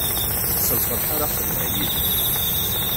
S lferḥ ara xedmeɣ yid-k.